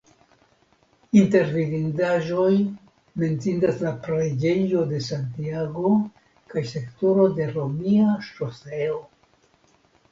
Inter vidindaĵoj menciindas la preĝejo de Santiago kaj sektoro de romia ŝoseo.